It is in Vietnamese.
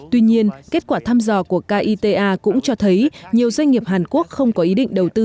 tuy nhiên kết quả thăm dò của kita cũng cho thấy nhiều doanh nghiệp hàn quốc không có ý định đầu tư